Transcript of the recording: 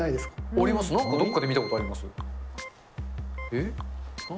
あります、なんかどっかで見たことあります。え？